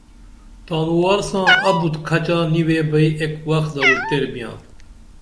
تانوار ساں ابُت کھچا نی ویبئی ایک وخ درو تیر بیاں